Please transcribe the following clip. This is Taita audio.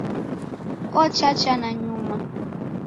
Ochacha nanyuma